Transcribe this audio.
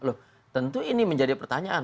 itu ini menjadi pertanyaan